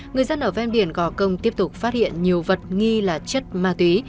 người dân ở ven biển gò công tiếp tục phát hiện nhiều vật nghi là chất ma túy